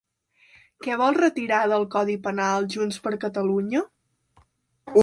Què vol retirar del codi penal Junts per Catalunya?